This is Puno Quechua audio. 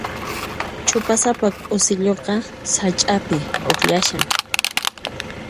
Chupasapa k'usilluqa sach'api pukllashan.